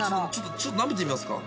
ちょっと舐めてみますか。